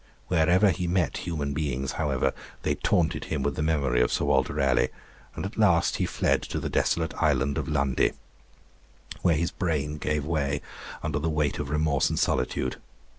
Wherever he met human beings, however, they taunted him with the memory of Sir Walter Raleigh, and at last he fled to the desolate island of Lundy, where his brain gave way under the weight of remorse and solitude.